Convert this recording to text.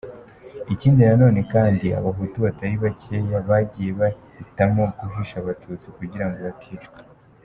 Ikindi na none kandi, abahutu batari bacyeya, bagiye bahitamo guhisha abatutsi, kugirango baticwa.